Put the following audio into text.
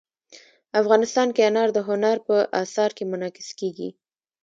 افغانستان کې انار د هنر په اثار کې منعکس کېږي.